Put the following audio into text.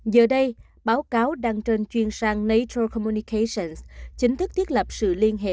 giờ đây báo cáo đăng trên chuyên sang nature communications chính thức thiết lập sự liên hệ